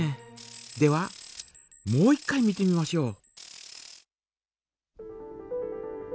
ではもう一回見てみましょう。